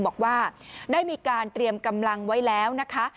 บอกว่าได้มีการเตรียมกำลังไว้แล้วนะคะ